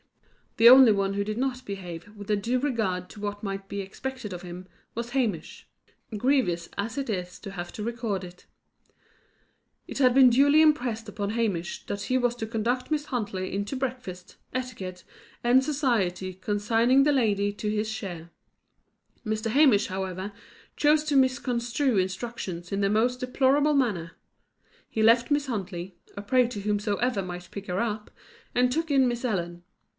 The only one who did not behave with a due regard to what might be expected of him, was Hamish grievous as it is to have to record it. It had been duly impressed upon Hamish that he was to conduct Miss Huntley in to breakfast, etiquette and society consigning that lady to his share. Mr. Hamish, however, chose to misconstrue instructions in the most deplorable manner. He left Miss Huntley, a prey to whomsoever might pick her up, and took in Miss Ellen.